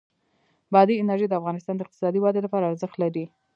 بادي انرژي د افغانستان د اقتصادي ودې لپاره ارزښت لري.